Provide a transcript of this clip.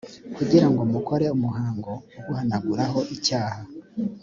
kugira ngo mukore umuhango ubahanaguraho icyaha.